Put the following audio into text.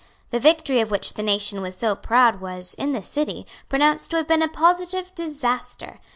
The victory of which the nation was so proud was, in the City, pronounced to have been a positive disaster.